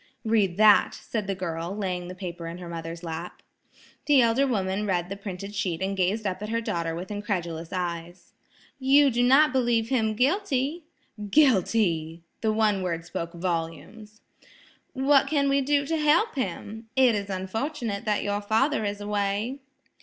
"Read that," said the girl, laying the paper in her mother's lap. The elder woman read the printed sheet and gazed up at her daughter with incredulous eyes. "You do not believe him guilty?" "Guilty!" the one word spoke volumes. "What can we do to help him? It is unfortunate that your father is away."